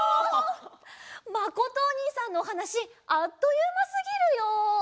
まことおにいさんのおはなしあっというますぎるよ！